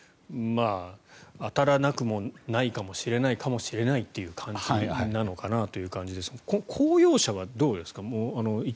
当たらなくもないかもしれないかもしれないっていう感じなのかなという感じですが公用車はどうですか。